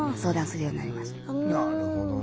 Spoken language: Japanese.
なるほどね。